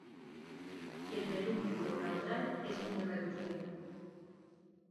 El pedúnculo caudal es muy reducido.